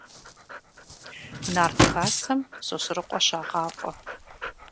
Нарт хасэм Сосрыкъуэ щагъафӀэ.